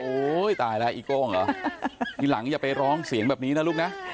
ตายแล้วอีโก้งเหรอทีหลังอย่าไปร้องเสียงแบบนี้นะลูกนะ